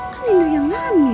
kan indri yang hamil